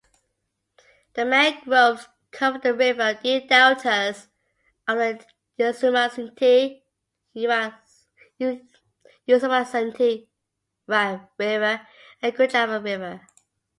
The mangroves cover the river deltas of the Usumacinta River and Grijalva River.